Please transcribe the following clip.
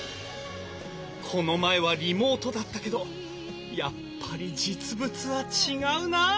この前はリモートだったけどやっぱり実物は違うなぁ。